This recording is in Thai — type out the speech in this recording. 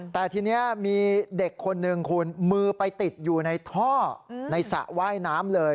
แต่ทีนี้มีเด็กคนหนึ่งคุณมือไปติดอยู่ในท่อในสระว่ายน้ำเลย